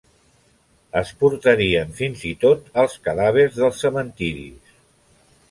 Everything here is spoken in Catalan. Es portarien fins i tot els cadàvers dels cementiris.